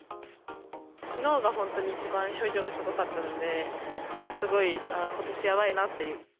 きのうが本当に一番、症状がすごかったので、なんかすごい、ああ、ことしやばいって。